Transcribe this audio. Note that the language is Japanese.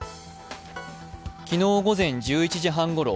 昨日午前１１時半ごろ